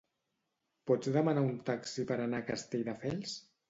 Pots demanar un taxi per anar a Castelldefels?